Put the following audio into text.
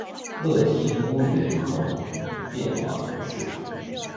勒基乌人口变化图示